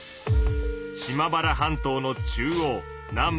島原半島の中央南北